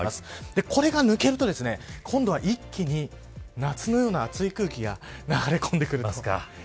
これが抜けると今度は一気に夏のような熱い空気が流れ込んできます。